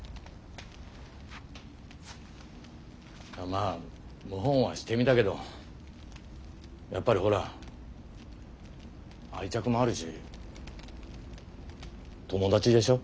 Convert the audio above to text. まあ謀反はしてみたけどやっぱりほら愛着もあるし友達でしょ？